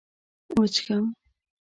وچيښم